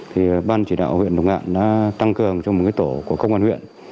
thì ban chỉ đạo huyện lục ngạn đã tăng cường cho một tổ của công an huyện